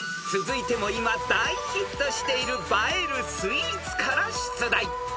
［続いても今大ヒットしている映えるスイーツから出題］